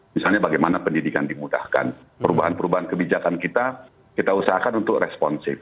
misalnya bagaimana pendidikan dimudahkan perubahan perubahan kebijakan kita kita usahakan untuk responsif